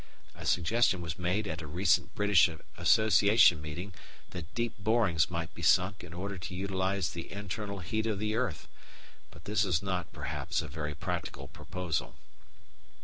A suggestion was made at a recent British Association meeting that deep borings might be sunk in order to utilise the internal heat of the earth, but this is not, perhaps, a very practical proposal.